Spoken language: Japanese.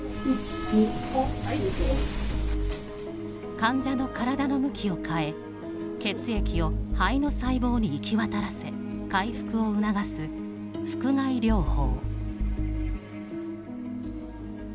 患者の体の向きを変え血液を肺の細胞に行き渡らせ回復を促す腹臥位療法。